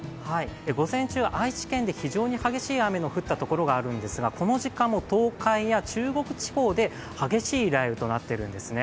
午前中、愛知県で非常に激しい雨が降ったところがあるんですがこの時間も東海や中国地方で激しい雷雨となっているんですね。